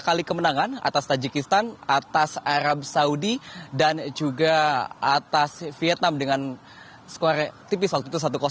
dua kali kemenangan atas tajikistan atas arab saudi dan juga atas vietnam dengan skor tipis waktu itu satu